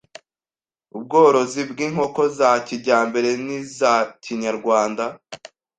ubworozi bw’inkoko za kijyambere n’iza kinyarwanda”